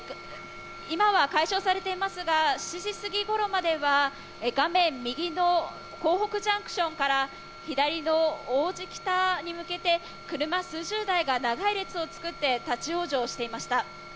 今は解消されていますが、７時すぎごろまでは画面右の江北ジャンクションから左の王子北に向けて車数十台が長い列をつくって立ち往生していました。